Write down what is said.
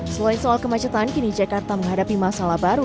selain soal kemacetan kini jakarta menghadapi masalah baru